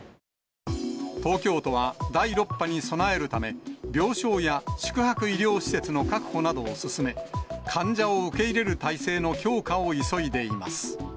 東京都は第６波に備えるため、病床や宿泊医療施設の確保などを進め、患者を受け入れる態勢の強化を急いでいます。